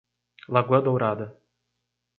Lagoa Dourada